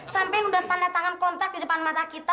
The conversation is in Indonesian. sampai udah tanda tangan kontrak di depan mata kita